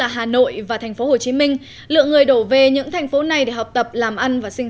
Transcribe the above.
hà nội và thành phố hồ chí minh lượng người đổ về những thành phố này để học tập làm ăn và sinh